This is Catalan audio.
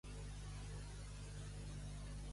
Síndrome de Diògenes.